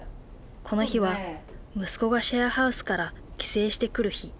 この日は息子がシェアハウスから帰省してくる日。